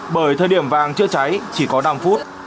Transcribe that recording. bởi thời điểm vàng chữa cháy chỉ có năm phút